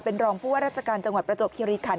เป็นรองผู้ว่าราชการจังหวัดประจวบคิริคัน